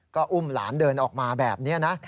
ก็อุ้มหลานเดินออกมาแบบนี้นะ